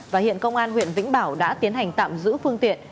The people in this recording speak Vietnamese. và hiện công an huyện vĩnh bảo đã tiến hành tạm giữ phương tiện